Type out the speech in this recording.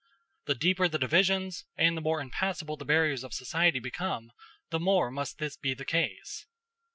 The deeper the divisions, and the more impassable the barriers of society become, the more must this be the case.